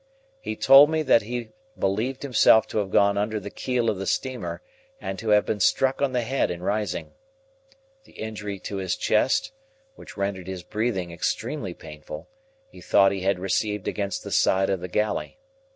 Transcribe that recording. He told me that he believed himself to have gone under the keel of the steamer, and to have been struck on the head in rising. The injury to his chest (which rendered his breathing extremely painful) he thought he had received against the side of the galley.